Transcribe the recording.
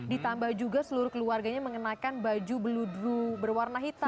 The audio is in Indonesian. ditambah juga seluruh keluarganya mengenakan baju beludru berwarna hitam